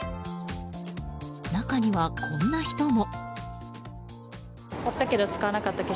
中には、こんな人も。